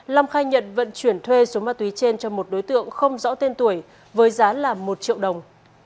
long khai nhận vận chuyển thuê số ma túy trên cho một đối tượng không rõ tên tuổi với giá là một triệu đồng